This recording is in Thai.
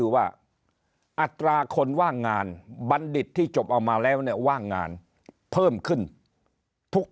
ว่างงานบัณฑิตที่จบเอามาแล้วเนี่ยว่างงานเพิ่มขึ้นทุก